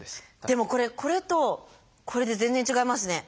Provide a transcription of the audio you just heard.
でもこれこれとこれで全然違いますね。